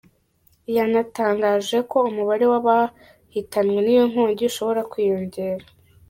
Yanatangaje ko umubare w’abahitanwe n’iyo nkongi ushobora kwiyongera.